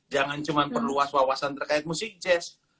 jangan cuman perlu was wawasan terkait musik jazz